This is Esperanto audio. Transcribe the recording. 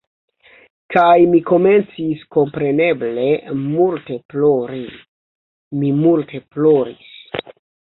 Kaj mi komencis kompreneble multe plori. Mi multe ploris.